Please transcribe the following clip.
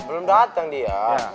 belum dateng dia